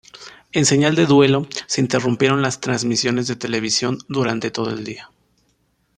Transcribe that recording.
En señal de duelo, se interrumpieron las transmisiones de televisión durante todo el día.